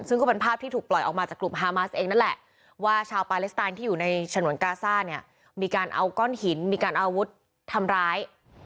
ซึ่งก็เป็นภาพที่ถูกปล่อยออกมาจากกลุ่มฮามาสเองนั่นแหละว่าชาวปาเลสไตนที่อยู่ในฉนวนกาซ่าเนี่ยมีการเอาก้อนหินมีการอาวุธทำร้าย